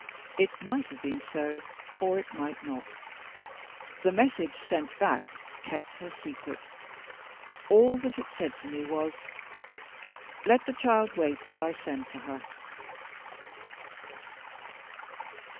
It might have been so, or it might not; the message sent back kept her secret. All that it said to me was: "Let the child wait till I send for her."